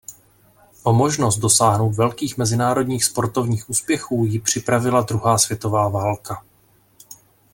O možnost dosáhnout velkých mezinárodních sportovních úspěchů ji připravila druhá světová válka.